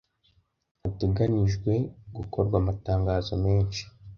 hateganijwe gukorwa amatangazo menshi,